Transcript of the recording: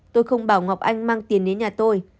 tôi không bảo ngọc anh mang tiền đến nhà tôi